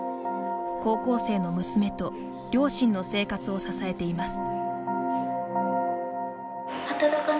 高校生の娘と両親の生活を支えています。